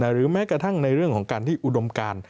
หรือแม้กระทั่งในเรื่องของการที่อุดมการ